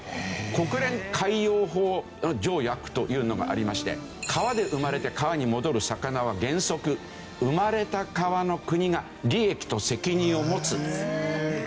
国連海洋法条約というのがありまして川で生まれて川に戻る魚は原則生まれた川の国が利益と責任を持つという。